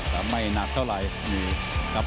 แต่ไม่หนักเท่าไหร่ครับ